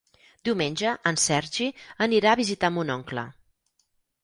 Diumenge en Sergi anirà a visitar mon oncle.